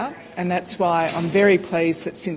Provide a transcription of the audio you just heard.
dan itulah mengapa saya sangat senang